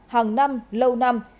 hàng năm lâu năm